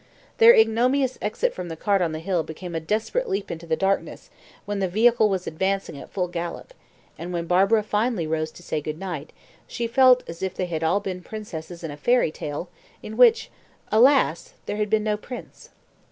Their ignominious exit from the cart on the hill became a desperate leap into the darkness, when the vehicle was advancing at full gallop; and when Barbara finally rose to say good night, she felt as if they had all been princesses in a fairy tale, in which, alas! there had been no prince.